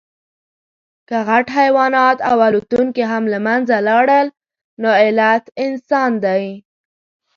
که غټ حیوانات او الوتونکي هم له منځه لاړل، نو علت انسان دی.